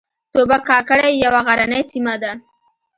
توبه کاکړۍ یوه غرنۍ سیمه ده